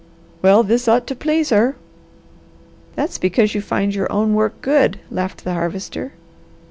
"Well this ought to please her." "That's because you find your own work good," laughed the Harvester.